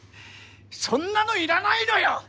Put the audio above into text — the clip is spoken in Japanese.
そんなのいらないのよ！